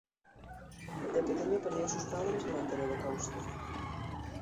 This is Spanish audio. De pequeña perdió a sus padres durante el Holocausto.